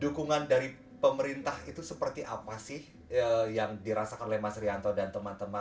dukungan dari pemerintah itu seperti apa sih yang dirasakan oleh mas rianto dan teman teman